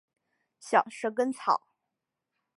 小蛇根草